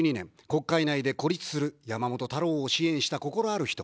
国会内で孤立する山本太郎を支援した心ある人。